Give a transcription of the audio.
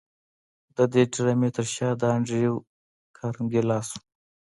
د دې ډرامې تر شا د انډریو کارنګي لاس و